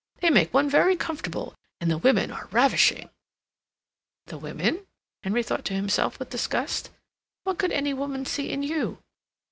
They make one very comfortable, and the women are ravishing." "The women?" Henry thought to himself, with disgust. "What could any woman see in you?"